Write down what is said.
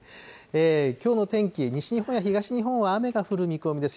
きょうの天気、西日本や東日本は雨が降る見込みです。